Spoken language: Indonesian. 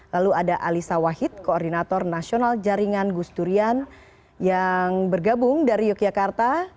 lalu ada alisa wahid koordinator nasional jaringan gus durian yang bergabung dari yogyakarta